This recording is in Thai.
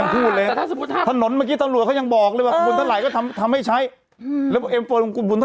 ผมก็ต้องบอกไว้ก่อนเดี๋ยวมันโดนด่า